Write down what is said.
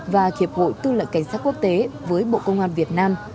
và hiệp hội tư lệnh cảnh sát quốc tế với bộ công an việt nam